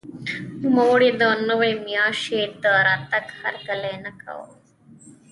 نوموړي د نوې ماشیۍ د راتګ هرکلی نه کاوه.